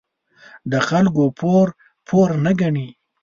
د خلکو پور، پور نه گڼي.